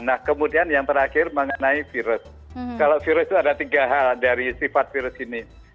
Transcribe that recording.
nah kemudian yang terakhir mengenai virus kalau virus itu ada tiga hal dari sifat virus ini